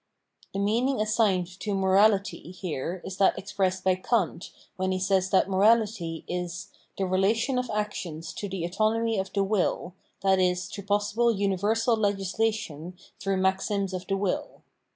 The meaning assigned to morality " here is that expressed by Kant when he says that morality is '*the relation of actions to the autonomy of the will, i.e. to possible universal legislation through maxims of the will."